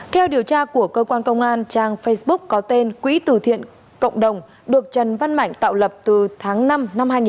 theo điều tra của cơ quan công an trang facebook có tên quỹ tử thiện cộng đồng được trần văn mạnh tạo lập từ tháng năm năm hai nghìn một mươi ba